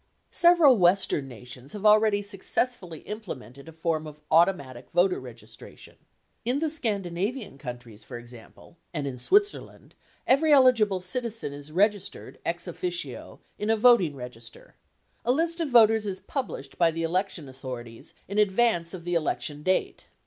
Several Western nations have already successfully implemented a form of automatic voter registration. In the Scandinavian countries, for example, and in Switzerland, every eligible citizen is registered ex officio in a voting register. A list of voters is published by the elections authorities in advance of the election date.